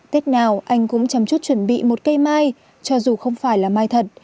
tết nào anh cũng chăm chút chuẩn bị một cây mai cho dù không phải là mai thật